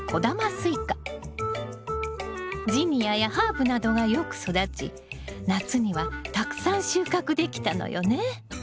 スイカジニアやハーブなどがよく育ち夏にはたくさん収穫できたのよね。